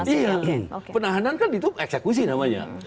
iya penahanan kan itu eksekusi namanya